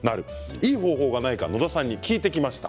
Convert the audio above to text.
いい方法はないか野田さんに聞いてきました。